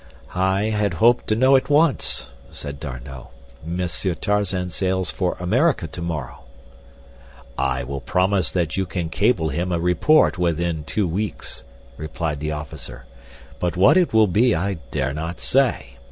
"I had hoped to know at once," said D'Arnot. "Monsieur Tarzan sails for America tomorrow." "I will promise that you can cable him a report within two weeks," replied the officer; "but what it will be I dare not say.